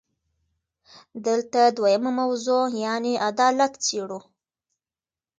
دلته دویمه موضوع یعنې عدالت څېړو.